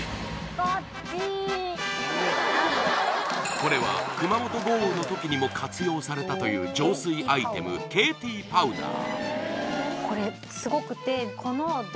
これは熊本豪雨の時にも活用されたという浄水アイテムＫＴパウダー